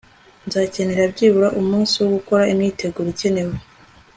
nzakenera byibura umunsi wo gukora imyiteguro ikenewe